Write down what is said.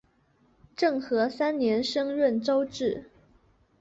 政和三年升润州置。